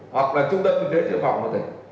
hoặc là trung tâm y tế chữa phòng có thể